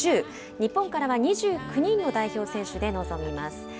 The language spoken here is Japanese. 日本からは２９人の代表選手で臨みます。